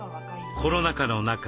コロナ禍の中